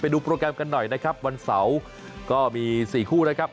ดูโปรแกรมกันหน่อยนะครับวันเสาร์ก็มี๔คู่นะครับ